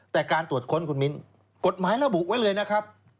แต่การตรวจค้นคุณมิ้นกฎหมายระบุไว้เลยนะครับ